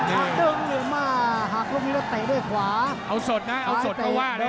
อ่าเดิมมาหากตอนนี้เราเตะด้วยขวา